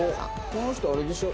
この人あれでしょ？